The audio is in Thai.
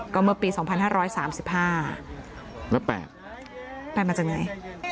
ก็เมื่อปี๒๕๓๕และ๘๘มาจากไหน